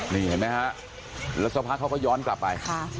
นี่เห็นมั้ยฮะแล้วเสาผ้าเขาก็ย้อนกลับไป